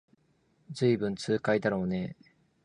ずいぶん痛快だろうねえ